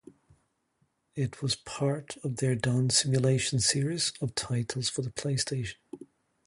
It was part of their "Dance Simulation" series of titles for the PlayStation.